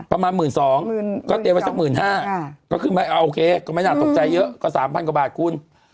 ประมาณ๑๒๐๐๐ก็เตรียมไว้สัก๑๕๐๐ก็ขึ้นมาโอเคก็ไม่น่าตกใจเยอะก็๓๐๐กว่าบาทคุณ